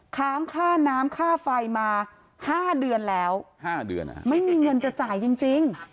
ค้างค่าน้ำค่าไฟมา๕เดือนแล้ว๕เดือนไม่มีเงินจะจ่ายจริง